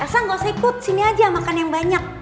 elsa gak usah ikut sini aja makan yang banyak